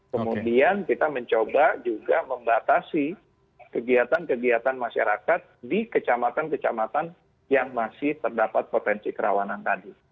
kemudian kita mencoba juga membatasi kegiatan kegiatan masyarakat di kecamatan kecamatan yang masih terdapat potensi kerawanan tadi